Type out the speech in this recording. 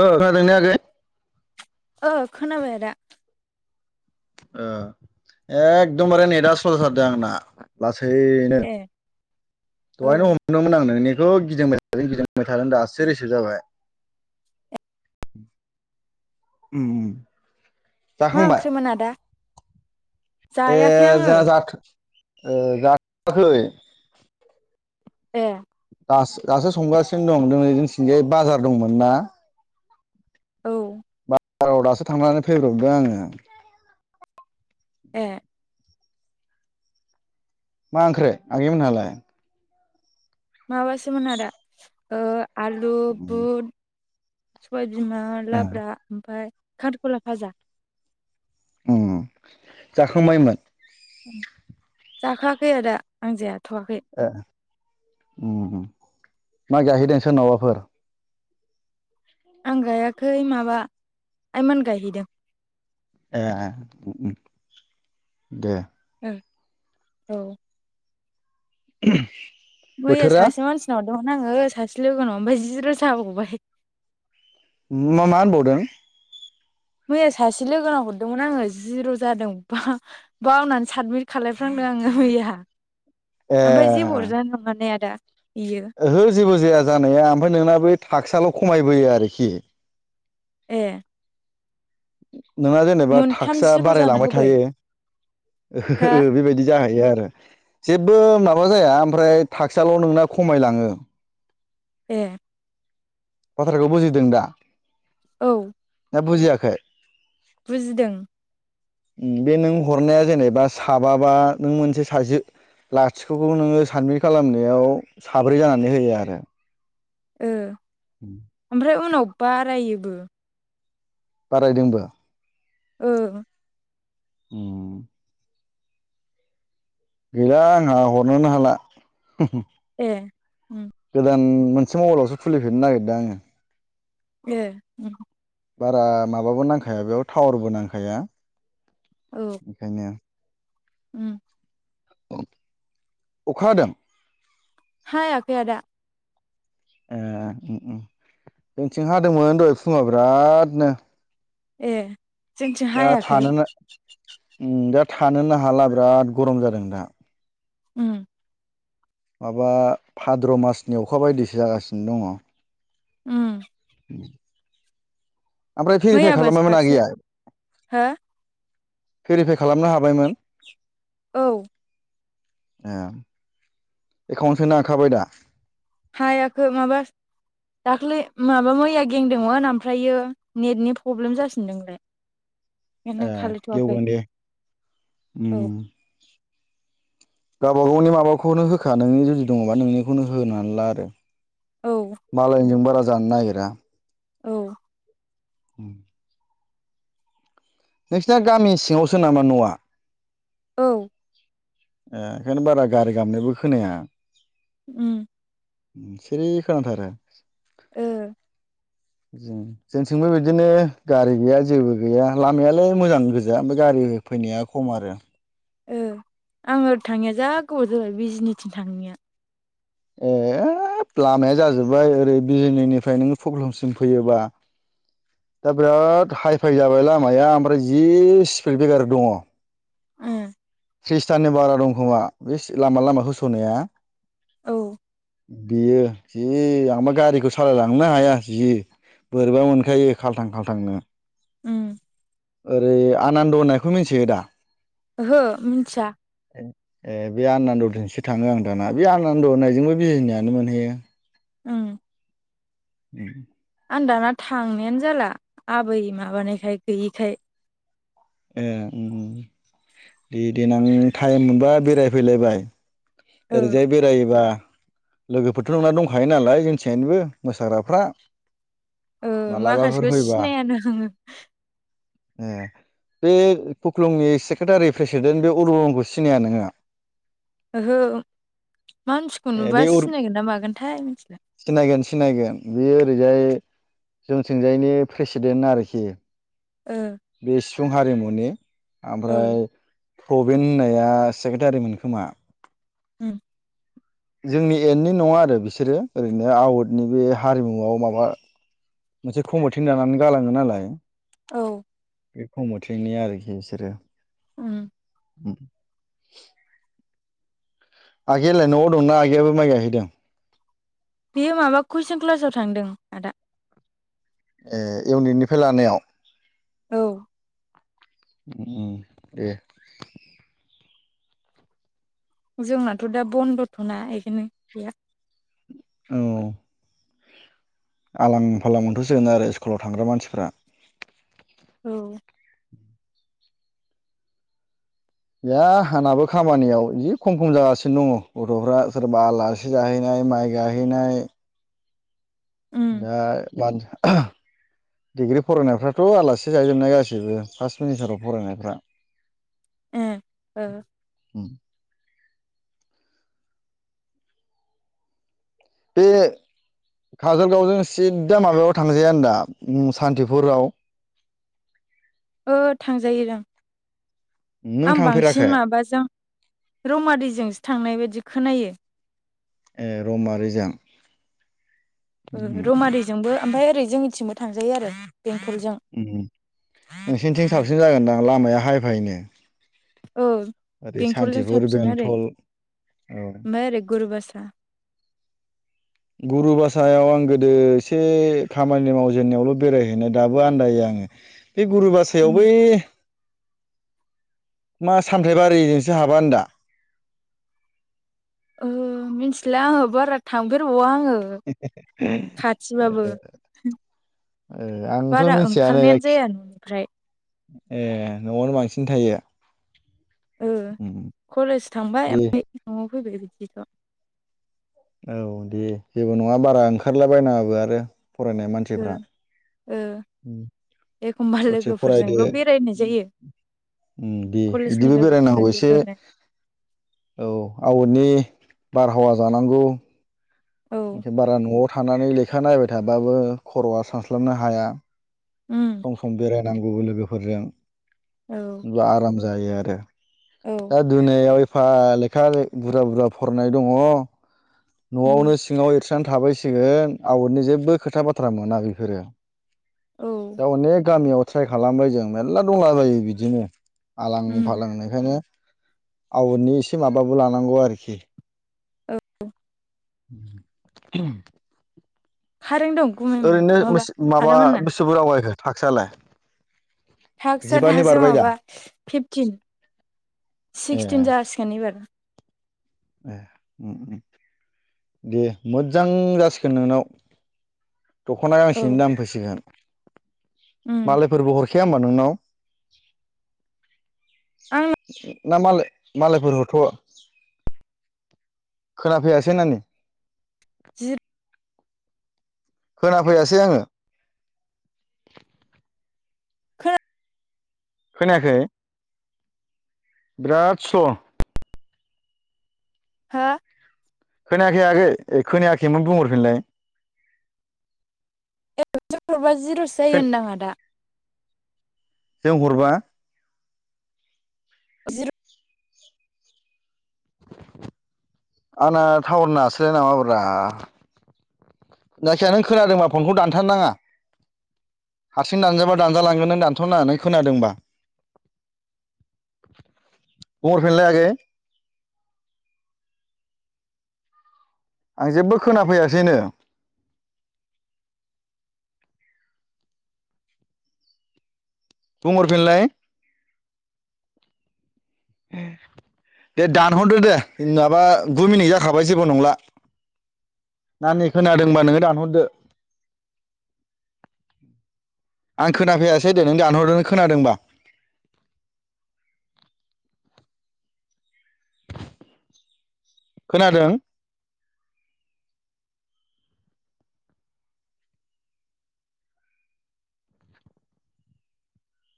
ओ खोनादों ने आगै ओ खोनाबाय आदा एकदमबारे नेटा सलजाथारदों आंना लासै नो ए दहायनो औ हम दोंमोन आं नोंनिखौ गिदिंबाय थादों गिदिंबाय थादों दासो रिसिभ जाबाय उम उम मा ओंख्रिमोन आदा ए जायाखै आङो जोंहा जाथ' ओ जाथ'वाखै ए दा दासो संगासिनो दं दिनै जोंथिंजाय बाजार दंमोन ना औ बाजाराव दासो थांनानै फैब्रबदों आङो ए मा ओंख्रि आगैमोनहालाय माबासोमोन आदा आलु ओ बुट सबायबिमा लाब्रा ओमफ्राय खांख्रिखला भाजा उम जाखांबायमोन जाखाङाखै आदा आं जायाथ'या माइ गायहैदों सोरनावाबाफोर आं गायाखै माबा आइमोन गायहैदों ए उम उम दे ओं औ [inaudible] मैया बोथोरा सासे मानसिनाव हरदोंमोन आङो सासे लोगोनाव ओमफ्राय जि रोजाब बावबाय मा मा होनबावदों मैया सासे लोगोनाव हरदोंमोन आङो जिर' जादों बा बावनानै साबमिट खालायफ्र्लांदों आङो मैया ए ओमफ्राय जेबो हरजानाय नंला ना आदा इयो ओहो जेबो जाया जानाया ओमफ्राय नोंना बै थाखसाल' खमायबोयो आरोखि ए नोंहा जेनेबा मोनथाम थाखसा जिर' जाना बारायलांबाय होबाय थायो हा ओ बेबायदि जाहैयो आरो जेबो माबा जाया ओमफ्राय थाखसाल नोंना खमायलाङो ए बाथ्राखौ बुजिदों दा औ ना बुजियाखै बुजिदों बे नों हरनाया जेनेबा साबाबा नों मोनसे सासे लाथिख'खौ नोङो साबमिट खालामनायाव साब्रै जानानै होयो आरो ओ [unintelligible] ओमफ्राय उनाव बारायोबो। बारायदोंबो ओ [inaudible] गैला आंहा हरनोनो हाला। ए गोदान मोनसे मबाइलावसो खुलिफेरननो नागिरदों आङो। ए बारा माबाबो नांखाया बेयाव टावारबो नांखाया औ ओंखायनो। उम औ अखा हादों। हायाखै आदा। ए ओम ओम जोंथिं हादोंमोन दहाय फुङाव बिरादनो। ए जोंथिं दा हायाखै थानोनो ओम दा थानोनो हाला बिराद गरम जादों दा। ओम माबा भाद्र मासनि अखा बायदिसो जागासिनो दङ'। ओम ओमफ्राय भेरिफाय मैयाबो खालामबायमोन सासे आगैया? हो भेरिफाइ खालामनो हाबायमोन? औ ए एकाउन्ट सोनो हाखाबाय दा? हायाखै माबा दाखलै माबा मैया गेंदोंमोन ओमफ्रायो नेटनि प्रब्लेम जासिनदों ओमफ्राय। ए बेनो खालिथ'वाखै गेवगोन दे औ उम [inaudible] गावबा गावनि माबाखौनो होखा नोंनि जुदि दङ'बा नोंनिखौनो होनानै ला आरो। औ मालायनिजों बारा जानो नागिरा। औ [inaudible] नोंसिना गामि सिङावसो नामा न'आ? औ ओ ओंखायनो बारा गारि गाबनायबो खोनाया। ओम सिरि खोनाथारो। ओं जों जोंथिंबो बिदिनो गारि गैया जेबो गैया लामायालाय मोजां गोजा ओमफाय गारि फैनाया खम आरो। ओ आङो ओरै थाङिया जा गोबाव जाबाय बिजनिथिं थाङिया। ए लामाया जाजोब्बाय ओरै बिजनिफ्राय नोङो पक्लमसिम फैयोबा दा बिराद हाइ फाइ जाबाय लामाया ओमफ्राय जि स्पिड बेगार दङ'। ओम ट्रिसटानि बारा दंखोमा बे लामा लामा होस'नाया। औ बेयो जि आंबा गारिखौ सालायलांनो हाया जि बोरैबा मोनखायो खाल्थां खाल्थांनो। ओम ओरै आनान्द होननायखौ मिन्थियो दा? ओहो मिनथिया। ए बे आनन्दथिंसो थाङो आं दाना बे आनन्द होननायजोंबो बिजिनायानो मोनहैयो। ओम। [inaudible] आं दाना थांनायानो जाला आबै माबानायखाय गैयिखाय। ए ओम ओम दे देनां थाइम मोनबा बेरायफैलाबाय ओ ओरैजाय बेरायोबा लोगोफोरथ' नोंना दंखायो नालाय जोंथिंजायनिबो मोसाग्राफ्रा मालाबाफोर फैबा खाङो ओ ए बे कुक्लुंनि सेक्रेटारि प्रेसिडेन्ट बे अरूनमोनखौ सिनाया नोङो? ओहो मानसिखौ ए बे नुबा अरु सिनायगोन ना मागोनथाय। सिनायगोन सिनायगोन बेयो ओरैजाय जोंथिंजायनि प्रेसिडेन्ट आरोखि औ। बे सिफुं हारिमुनि ओमफ्राय औ परबिन होननाया सेक्रेटारिमोन खोमा उम। ओ जोंनि एन्डनि नङा आरो बिसोरो ओरैनो आवटनि बे हारिमुआव माबा। मोनसे कमटिन दानानै गालाङो नालायो औ। बे कमिटिनि आरोखि बिसोरो। उम। ओम। आगैयालाय न'आव दंना आगैयाबो माइ गायहैदों? बेयो माबा कुइसन क्लासाव थांदों आदा। ए इउनिटनिफ्राय लानायाव? औ। उम ए जोंनाथ' दा बन्दथ'ना बेखायनो गैया गा औ। आलां फालां मोनथ'सिगोन आरो स्कुलाव थांग्रा मानसिफ्रायो औ। बे हानाबो खामानियाव जि खम खम जागासिनो दङ गथ'फ्रा सोरबा आला आलासि जाहैनाय माइ गायहैनायो उम दा मानो [unintelligible] डिग्रि फरायनायफ्राथ' आलासि जायजोबनाय गासैबो फार्स्ट सेमिस्टाराव फरायनायफ्राथ' ए ओ ओम। बे काजलगावजों सिदा माबायाव थांजायाानो दा सान्थिफुरावो ओ थांजायो दां। नों आं बांसिन थांफेराखै माबाजों रमादिजोंसो थांनाय बायदि खोनायो। ए रौमारिजों उम रौमारिजोंबो ओमफ्राय ओरै जोंनिथिंबो थांजायो आरो बेंटलजों। ओम ओम नोंसिनिथिं साबसिन जागोनदां लामायाहाय फायनो औ बेंथलजों सान्थिफुर साबसिन आरो बेंथल औ ओमफ्राय ओरै गुरुबासा गुरुबासायाव आं गोदो एसे खामानि मावजेनन्नायावल' बेरायहैनो दाबो आन्दायो आङो बै गुरुबासा बासायाव उम बै मा सामथायबारिजोंसो हाबा होनबा? ओ मिथिला आङो बारा थांफेरबावा आङो। खाथिबाबो। ए आंथ' बारा मिथियानो ओंखारनायानो जायखि जाया न'निफ्राय ए न'आवनो बांसिन थायो ओ उम कलेज थांबाय दे ओमफ्राय न'आव फैबाय बिदि ल औ दे जेबो नङा बारा ओंखारला बायनाङाबो आरो फरायनाय ओ मानसिफ्रा ओ एखमबा दसे फरायदो लोगोफोरजोंल' बेरायनाय जायो दे कलेजनि बिदिबो लोगोफोरजों बेरायनांगौ ज' एसे ज'नो औ आवादनि बारहावा जानांगौ औ जेनेबा बारा न'आव थानानै लेखा नायबाय थाबाबो खर'आ सानस्लाबनो हाया उम सम सम बेरायनांगौबो लोगोफोरजों औ आराम जायो आरो औ दा दुनियायाव एफा लेखा बुरजा बुरजा फरायनाय दङ उम न'आवनो सिङाव एरस्रनानै थाबायसिगोन आवटनि जेबो खोथा बाथ्रा मोना बेफोरो औ दा अनेक गामियाव ट्राय खालामबाय जों मेर्ला दंलाबायो बिदिनो आलां उम फालां खायनो आवरनि एसे माबाबो लानांगौ आरोखि औ उ [unintelligible] खम [unintelligible] खारें दं गुमैमोनना ओरैनो माबा माबा आदामोनना बिसि बुरजा आवगायखो थाखसयालाय क्सआ दासो माबा फिफटिन ए सिक्सटिन जासिगोन एबारा ए दे मोजां जासिगोन नोंनाव दख'ना औ गांसेनि दाम फैसिगोन उम मालायफोरबो हरखाया होमबा नोंनाव आं ना मालाय मालायफोर हथ' खोनाफैयासै नानि जिर खोनाफैयाासै आङो खोनादों ना खोनायाखै बिराद स्ल' हा खोनायाखै आगै ए खोनायाखैमोन बुंहरफिनलाय ए जबा जिर'सो जायो होनदां आं आदा जों हरबा जिर आंना टावार‌ नाङा सैलाय नामा ब्रा जायखिया नों खोनादोंबा फनखौ दानथारनाङा हारसिं दानजाबा दानजालांगोन नों दानथ'नोनानै खोनादोंबा खबर फिनलाय आगै आं जेबो खोनाफैयासैनो बुंहरफिनलाय दे दानहरदो दे माबा गु मिनिट जाखाबाय जेबो नंला नानि खोनादोंब नोङो दानहरदो आं खोनाफायासै दे नों दानहरदोंनो खोनादोंबा खोनादों